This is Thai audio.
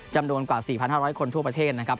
จำนวนกว่า๔๕๐๐คนทั่วประเทศนะครับ